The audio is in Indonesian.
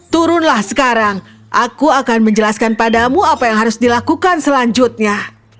turunlah sekarang aku akan menjelaskan padamu apa yang harus dilakukan selanjutnya